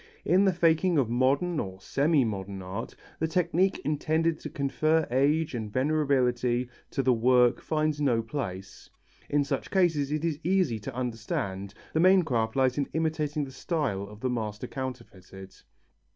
In the faking of modern, or semi modern art, the technique intended to confer age and venerability to the work finds no place. In such cases, it is easy to understand, the main craft lies in imitating the style of the master counterfeited.